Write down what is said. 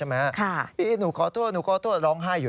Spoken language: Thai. มันเกิดเหตุเป็นเหตุที่บ้านกลัว